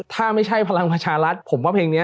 ถ้าไม่ใช่พลังประชารัฐผมว่าเพลงนี้